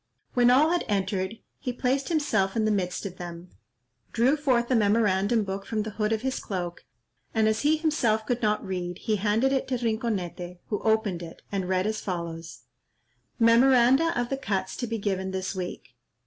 When all had entered, he placed himself in the midst of them, drew forth a memorandum book from the hood of his cloak, and as he himself could not read, he handed it to Rinconete, who opened it, and read as follows:— "Memoranda of the cuts to be given this week.